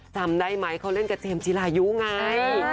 จำได้ไหมเขาเล่นกับเจมส์จิรายุไง